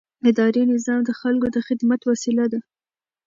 اداري نظام د خلکو د خدمت وسیله ده.